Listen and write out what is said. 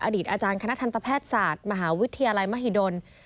อดีตอาจารย์คณะทันตแพทย์ศาสตร์มหาวิทยาลัยมหิดล